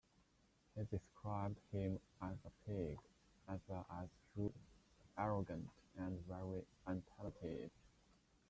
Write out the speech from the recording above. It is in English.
He described him as "a pig", as well as "rude, arrogant, and very untalented.